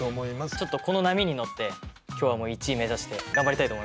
ちょっとこの波に乗って今日はもう１位目指して頑張りたいと思います。